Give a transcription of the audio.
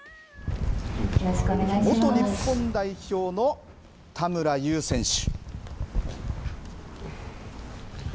元日本代表の田村優選手。